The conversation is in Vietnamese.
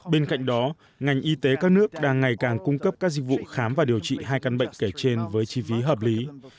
bên cạnh đó ngành y tế các nước đang ngày càng cung cấp các dịch vụ khám và điều trị hai căn bệnh kể trên với chi phí hợp lý